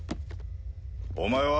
お前は？